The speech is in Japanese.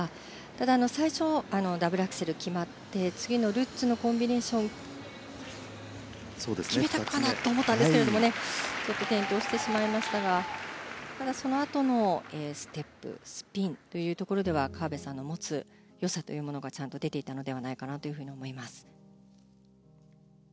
ただ、最初ダブルアクセル決まって次のルッツのコンビネーション決めたかなと思ったんですがちょっと転倒してしまいましたがただ、そのあとのステップスピンというところでは河辺さんの持つ良さがちゃんと出ていたと思います。